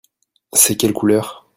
C'est quelle couleur ?